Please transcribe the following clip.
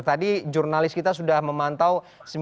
tadi jurnalis kita sudah memantau